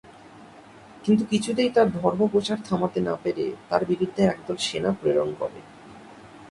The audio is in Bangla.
কিন্তু কিছুতেই তার ধর্ম প্রচার থামাতে না পেরে তার বিরুদ্ধে একদল সেনা প্রেরণ করে।